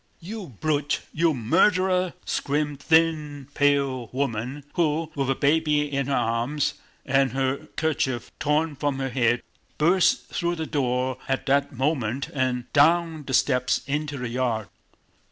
"You brute, you murderer!" screamed a thin, pale woman who, with a baby in her arms and her kerchief torn from her head, burst through the door at that moment and down the steps into the yard.